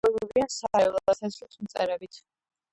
იკვებებიან სარეველას თესლით, მწერებით.